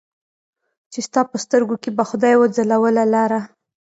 چې ستا په سترګو کې به خدای وځلوله لاره